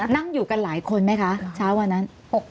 นั่งอยู่กันหลายคนไหมคะเช้าวันนั้น